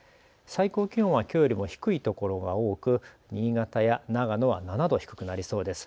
最高気温はきょうよりも低い所が多く、新潟や長野は７度低くなりそうです。